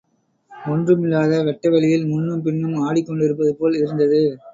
ஒன்றுமில்லாத வெட்ட வெளியில் முன்னும் பின்னும் ஆடிக்கொண்டிருப்பதுபோல் இருந்தது.